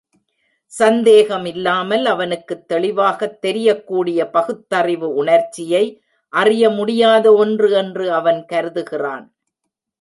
சந்தேகமில்லாமல் அவனுக்குத் தெளிவாகத் தெரியக்கூடிய பகுத்தறிவு உணர்ச்சியை அறிய முடியாத ஒன்று என்று அவன் கருதுகிறான்.